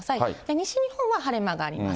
西日本は晴れ間があります。